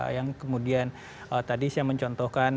yang kemudian tadi saya mencontohkan